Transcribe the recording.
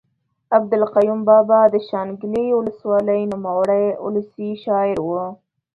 عبدالقیوم بابا د شانګلې اولس والۍ نوموړے اولسي شاعر ؤ